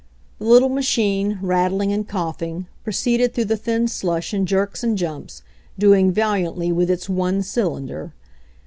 The little machine, rattling and coughing, pro ceeded through the thin slush in jerks and jumps, doing valiantly With its one cylinder.